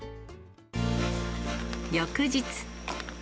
翌日。